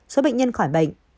số bệnh nhân khỏi bệnh